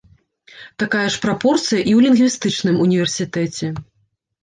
Такая ж прапорцыя і ў лінгвістычным універсітэце.